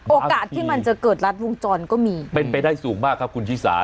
โอกาสที่มันจะเกิดรัดวงจรก็มีเป็นไปได้สูงมากครับคุณชิสา